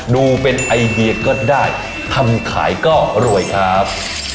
ดูเป็นไอเดียก็ได้ทำขายก็รวยครับ